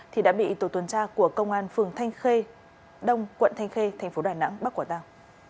thì đã bị tổ tuần tra của công an phường thanh khê đông quận thanh khê tp đài nẵng bắc quảng tàu